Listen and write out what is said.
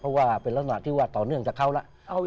เพราะว่าเป็นลาหน้าที่ว่าต่อเนื้องจะเข้าแล้ว